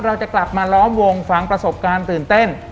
เราจะกลับมาล้อมวงฟังประสบการณ์ตื่นเต้น